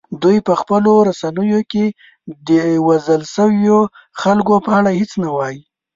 دوی په خپلو رسنیو کې د وژل شویو خلکو په اړه هیڅ نه وايي